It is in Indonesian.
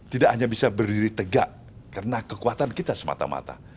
tidak hanya bisa berdiri tegak karena kekuatan kita semata mata